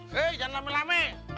hei jangan lame lame